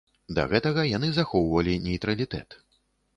Да гэтага яны захоўвалі нейтралітэт.